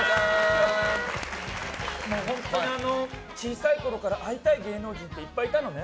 本当に、小さいころから会いたい芸能人っていっぱいいたのね。